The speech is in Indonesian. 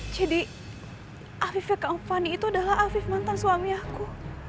jadi afifnya kak kavani itu adalah afif mantan suami aku